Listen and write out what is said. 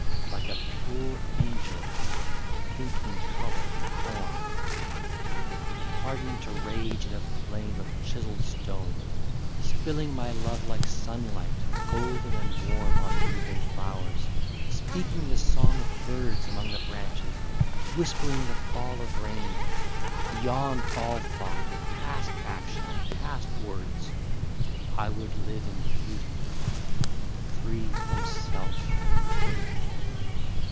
Like a pure angel, thinking colour and form, Hardening to rage in a flame of chiselled stone, Spilling my love like sunlight, golden and warm On noonday flowers, speaking the song of birds Among the branches, whispering the fall of rain, Beyond all thought, past action and past words, I would live in beauty, free from self and pain.